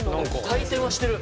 回転はしてる。